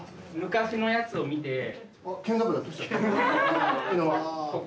昔のやつを見て。